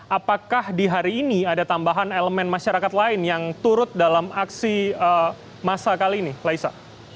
apakah di hari ini ada tambahan elemen masyarakat lain yang turut dalam aksi masa kali ini laisa